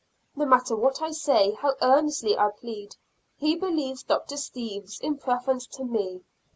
No matter what I say, how earnestly I plead, he believes Dr. Steeves in preference to me.